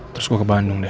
terus gue ke bandung deh